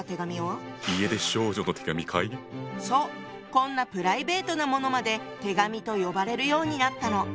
こんなプライベートなものまで「手紙」と呼ばれるようになったの。